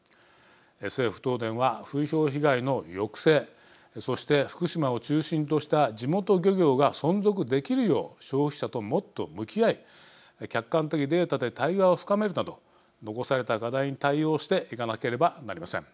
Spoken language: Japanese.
政府、東電は風評被害の抑制そして、福島を中心とした地元漁業が存続できるよう消費者ともっと向き合い客観的データで対話を深めるなど残された課題に対応していかなければなりません。